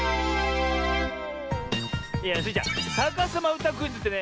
スイちゃん「さかさまうたクイズ」ってね